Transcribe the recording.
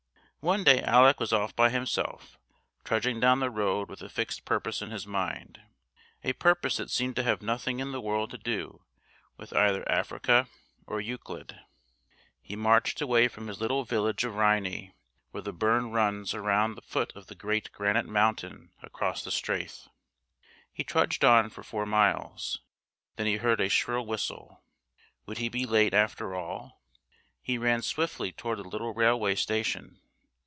One day Alec was off by himself trudging down the road with a fixed purpose in his mind, a purpose that seemed to have nothing in the world to do with either Africa or Euclid. He marched away from his little village of Rhynie, where the burn runs around the foot of the great granite mountain across the strath. He trudged on for four miles. Then he heard a shrill whistle. Would he be late after all? He ran swiftly toward the little railway station.